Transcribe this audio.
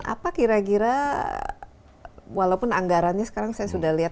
apa kira kira walaupun anggarannya sekarang saya sudah lihat